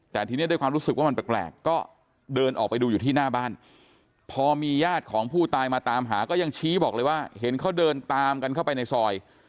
แต่ทีนี้ด้วยความรู้สึกว่ามันแปลกก็เดินออกไปดูอยู่ที่หน้าบ้านพอมีญาติของผู้ตายมาตามหาก็ยังชี้บอกเลยว่าเห็นเขาเดินตามกันเข้าไปในซอย